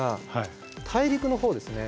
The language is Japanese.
大陸のほうですね